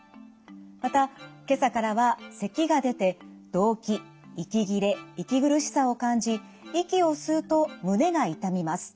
また今朝からはせきが出てどうき息切れ息苦しさを感じ息を吸うと胸が痛みます。